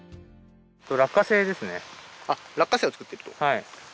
落花生を作ってる？